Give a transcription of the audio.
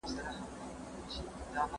بايد خپلو ماشومانو ته تاريخ ور زده کړو.